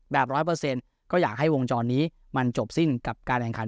ร้อยเปอร์เซ็นต์ก็อยากให้วงจรนี้มันจบสิ้นกับการแข่งขัน